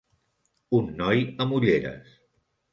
Un noi amb ulleres.